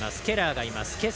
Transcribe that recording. ケラーがいます